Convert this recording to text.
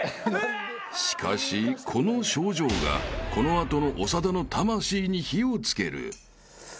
［しかしこの症状がこの後の長田の魂に火を付ける］